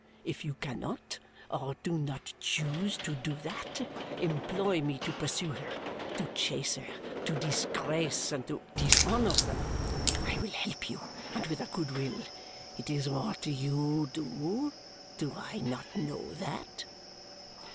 If you cannot, or do not choose to do that, employ me to pursue her, to chase her, to disgrace and to dishonour her. I will help you well, and with a good will. It is what YOU do. Do I not know that?"